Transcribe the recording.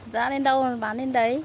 giá lên đâu bán lên đấy